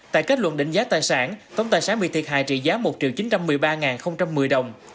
tại kết luận đỉnh giá tài sản tổng tài sản bị thiệt hại trị giá một triệu chín trăm một mươi ba một mươi đồng